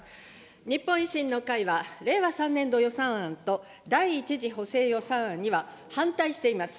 日本維新の会は令和３年度予算案と、第１次補正予算案には反対しています。